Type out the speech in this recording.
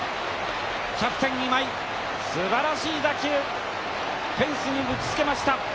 キャプテン今井すばらしい打球フェンスに打ちつけました。